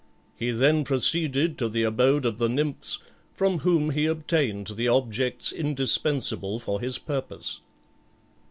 He then proceeded to the abode of the Nymphs, from whom he obtained the objects indispensable for his purpose.